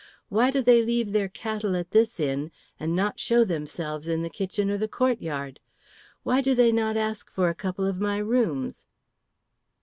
"Why do they leave their cattle at this inn and not show themselves in the kitchen or the courtyard? Why do they not ask for a couple of my rooms?"